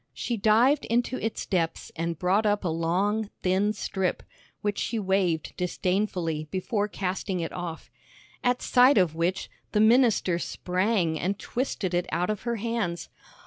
She dived into its depths and brought up a long, thin strip, which she waved disdainfully before casting it off. At sight of which, the minister sprang and twisted it out of her hands.